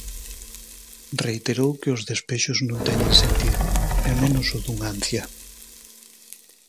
Reiterou que os despexos non teñen sentido, e menos o dunha anciá.